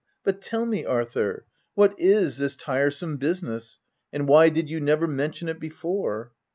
But tell me, Arthur, what is this tiresome business ; and why did you never mention it before